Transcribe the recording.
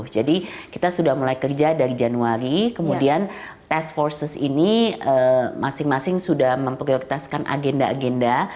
jadi kita sudah mulai kerja dari januari kemudian task forces ini masing masing sudah memprioritaskan agenda agenda